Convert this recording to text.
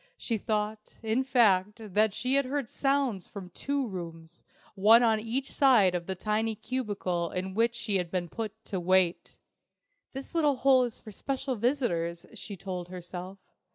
She thought, in fact, that she heard sounds from two rooms, one on each side of the tiny cubicle in which she had been put to wait. "This little hole is for special visitors," she told herself.